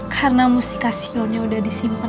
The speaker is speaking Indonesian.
karena mustikasyonnya sudah disimpan